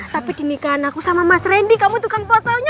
tapi gini kan aku sama mas randy kamu tukang fotonya